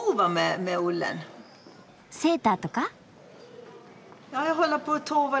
セーターとか？